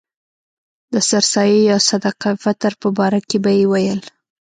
د سر سایې یا صدقه فطر په باره کې به یې ویل.